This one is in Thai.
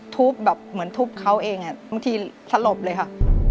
ทุบแบบเหมือนทุบเขาเองบางทีสลบเลยค่ะ